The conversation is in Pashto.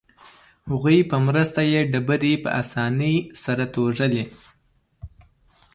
هغوی په مرسته یې ډبرې په اسانۍ سره توږلې.